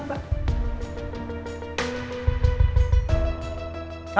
masa dari apa